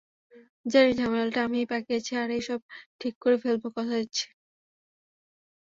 জানি, ঝামেলাটা আমিই পাকিয়েছি, আর এসব ঠিক করে ফেলবো, কথা দিচ্ছি।